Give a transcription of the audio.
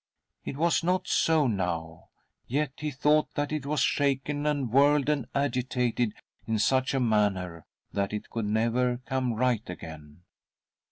It was not so now— yet he thought that it was shaken and whirled and agitated in such a manner that it could never come right again.